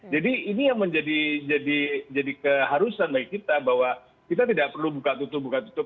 jadi ini yang menjadi keharusan bagi kita bahwa kita tidak perlu buka tutup buka tutup